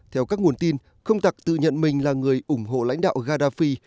theo các nguồn tin không tặc tự nhận mình là người ủng hộ lãnh đạo gadafi